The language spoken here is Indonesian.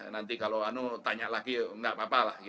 nanti kalau anu tanya lagi nggak apa apa lah